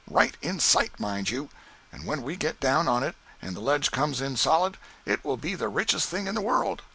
Right in sight, mind you! And when we get down on it and the ledge comes in solid, it will be the richest thing in the world!